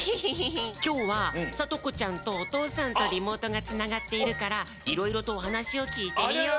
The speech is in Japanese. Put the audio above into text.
きょうはさとこちゃんとおとうさんとリモートがつながっているからいろいろとおはなしをきいてみよう！